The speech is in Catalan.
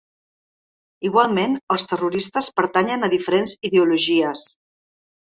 Igualment els terroristes pertanyen a diferents ideologies.